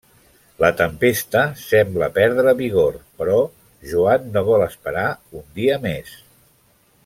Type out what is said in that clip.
La tempesta sembla perdre vigor, però Joan no vol esperar un dia més.